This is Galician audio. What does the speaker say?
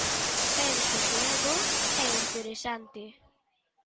Penso que é bo e interesante.